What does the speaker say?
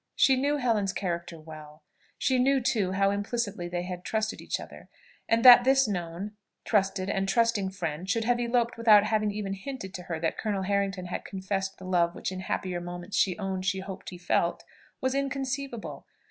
She knew Helen's character well, she knew too how implicitly they had trusted each other; and that this known, trusted and trusting friend should have eloped without having even hinted to her that Colonel Harrington had confessed the love which in happier moments she owned she hoped he felt, was inconceivable!